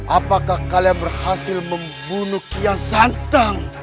apakah kalian berhasil membunuh kian santang